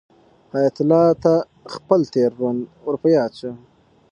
حیات الله ته خپل تېر ژوند ور په یاد شو.